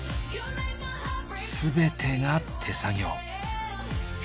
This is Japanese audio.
全てが手作業。